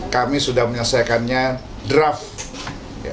kami sudah menyelesaikannya draft